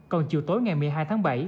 còn chiều tối ngày một mươi hai tháng bảy